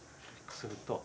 すると。